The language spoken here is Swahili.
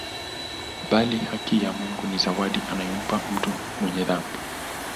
Bali haki ya Mungu ni zawadi anayompa mtu mwenye dhambi